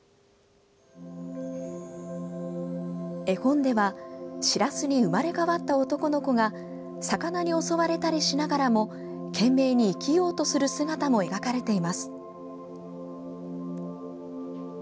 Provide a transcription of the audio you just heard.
絵本ではしらすに生まれ変わった男の子が魚に襲われたりしながらも懸命に生きようとする姿も描かれています。